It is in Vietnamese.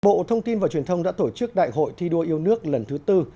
bộ thông tin và truyền thông đã tổ chức đại hội thi đua yêu nước lần thứ tư